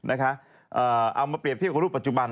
เอามาเปรียบเทียบกับรูปปัจจุบัน